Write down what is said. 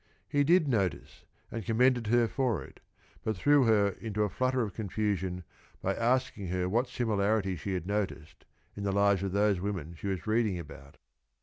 He did notice, and commended her for it, but threw her into a flutter of confusion by asking her what similarity she had noticed in the lives of those women she was reading about.